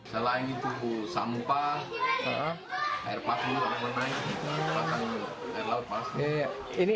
selain itu sampah air pasang air laut pasir